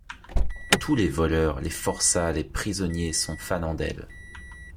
Tous les voleurs, les forçats, les prisonniers sont fanandels.